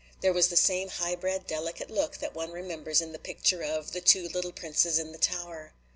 There was the same high bred, delicate look that one remembers in the picture of "The Two Little Princes in the Tower."